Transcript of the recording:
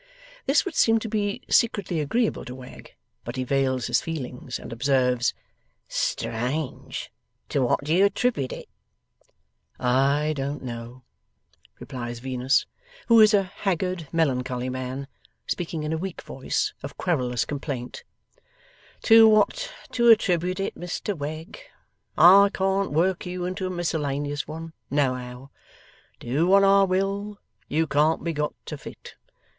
This would seem to be secretly agreeable to Wegg, but he veils his feelings, and observes, 'Strange. To what do you attribute it?' 'I don't know,' replies Venus, who is a haggard melancholy man, speaking in a weak voice of querulous complaint, 'to what to attribute it, Mr Wegg. I can't work you into a miscellaneous one, no how. Do what I will, you can't be got to fit.